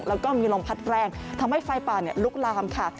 แล้วก็มีลมพัดแรงทำให้ไฟป่าลุกลามค่ะ